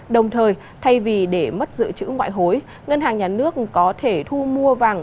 đồng thời thay vì để mất dự trữ ngoại hối ngân hàng nhà nước có thể thu mua vàng